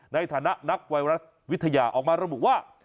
ในฐานะนักไวรัสวิทยาออกมาระบุว่า